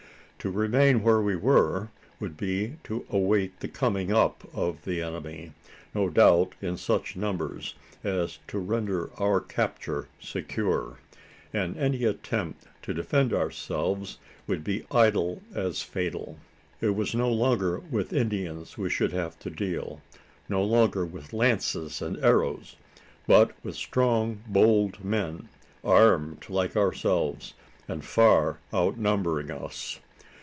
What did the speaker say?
To remain where we were, would be to await the coming up of the enemy no doubt in such numbers as to render our capture secure; and any attempt to defend ourselves would be idle as fatal. It was no longer with Indians we should have to deal no longer with lances and arrows but with strong bold men, armed like ourselves, and far outnumbering us.